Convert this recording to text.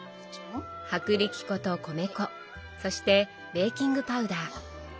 薄力粉と米粉そしてベーキングパウダー。